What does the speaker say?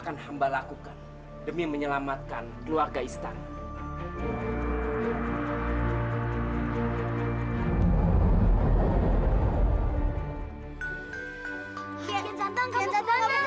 bangsa maka mereka jadi benar itu